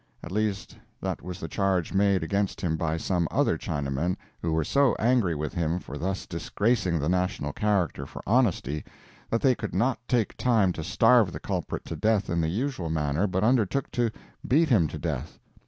At least that was the charge made against him by some other Chinamen, who were so angry with him for thus disgracing the national character for honesty, that they could not take time to starve the culprit to death in the usual manner, but undertook to beat him to death.